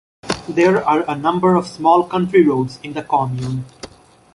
There are a number of small country roads in the commune.